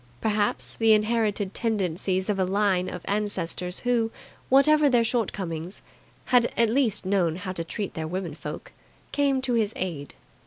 Perhaps the inherited tendencies of a line of ancestors who, whatever their shortcomings, had at least known how to treat their women folk, came to his aid.